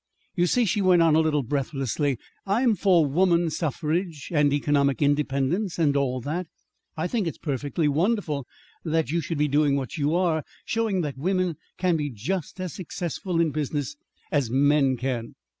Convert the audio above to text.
"You see," she went on a little breathlessly, "I'm for women suffrage and economic independence and all that. I think it's perfectly wonderful that you should be doing what you are showing that women can be just as successful in business as men can.